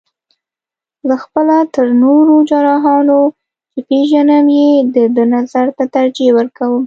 زه خپله تر نورو جراحانو، چې پېژنم یې د ده نظر ته ترجیح ورکوم.